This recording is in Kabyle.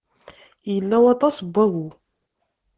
Yella waṭas n wagu.